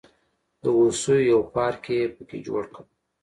د هوسیو یو پارک یې په کې جوړ کړ.